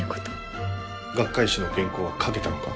学会誌の原稿は書けたのか？